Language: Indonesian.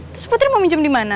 terus putri mau minjem dimana